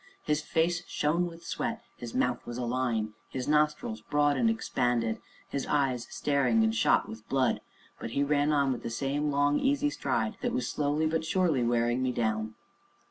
His face shone with sweat his mouth was a line his nostrils broad and expanded his eyes staring and shot with blood, but he ran on with the same long easy stride that was slowly but surely wearing me down.